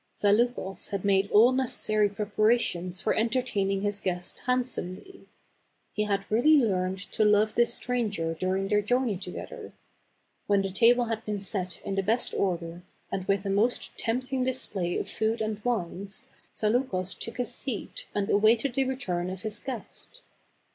Zaleukos had made all necessary preparations for entertaining his guest handsomely. He had THE CAB AVAN. 223 really learned to love this stranger during their journey together. When the table had been set in the best order, and with a most tempting display of food and wines, Zaleukos took his seat and awaited the return of his guest.